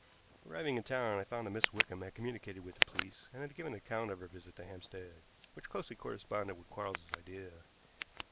Arriving in town I found that Miss Wickham had communicated with the police and had given an account of her visit to Hampstead, which closely corresponded with Quarles's idea.